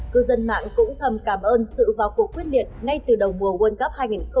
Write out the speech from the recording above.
cư dân mạng cũng thầm cảm ơn sự vào cuộc quyết liệt ngay từ đầu mùa world cup hai nghìn hai mươi